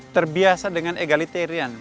terbiasa dengan egalitarian